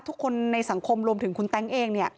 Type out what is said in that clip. ทุกคนในสังคมรวมถึงคุณแต๊งเอง